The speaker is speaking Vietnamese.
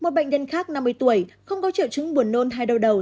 một bệnh nhân khác năm mươi tuổi không có triệu chứng buồn nôn hay đau đầu